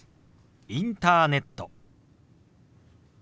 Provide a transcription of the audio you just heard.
「インターネット」。